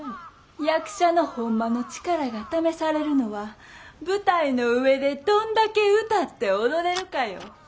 役者のほんまの力が試されるのは舞台の上でどんだけ歌って踊れるかよ。